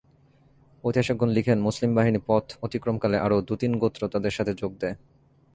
ঐতিহাসিকগণ লিখেন, মুসলিম বাহিনী পথ অতিক্রমকালে আরো দুতিন গোত্র তাদের সাথে যোগ দেয়।